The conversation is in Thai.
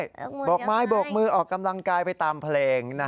โบกไม้โบกมือออกกำลังกายไปตามเพลง